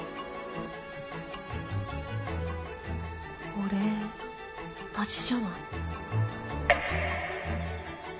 これ同じじゃない？